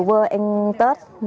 vô vơ anh tết